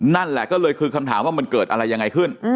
นั่นแหละก็เลยคือคำถามว่ามันเกิดอะไรยังไงขึ้น